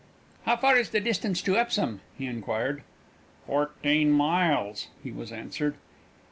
"How far is the distance to Epsom?" he inquired. "Fourteen miles," he was answered.